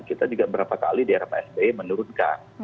kita juga beberapa kali di era psb menurunkan